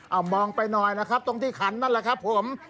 เอามองไปหน่อยนะครับตรงที่ขันนั่นแหละครับผม